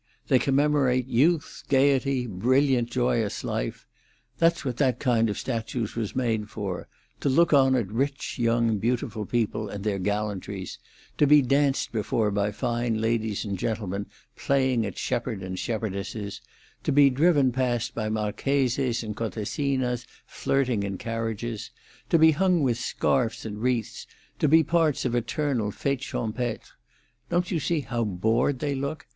They commemorate youth, gaiety, brilliant, joyous life. That's what that kind of statues was made for—to look on at rich, young, beautiful people and their gallantries; to be danced before by fine ladies and gentlemen playing at shepherd and shepherdesses; to be driven past by marcheses and contessinas flirting in carriages; to be hung with scarfs and wreaths; to be parts of eternal fétes champêtres. Don't you see how bored they look?